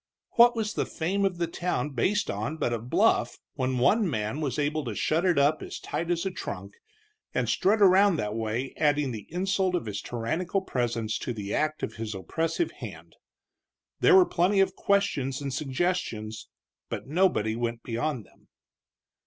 What was the fame of the town based upon but a bluff when one man was able to shut it up as tight as a trunk, and strut around that way adding the insult of his tyrannical presence to the act of his oppressive hand. There were plenty of questions and suggestions, but nobody went beyond them.